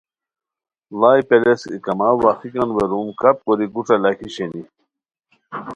ڑائے پیلیسک ای کما واخیکان ویروم کپ کوری گوݯہ لاکھی شینی